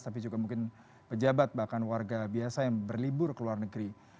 tapi juga mungkin pejabat bahkan warga biasa yang berlibur ke luar negeri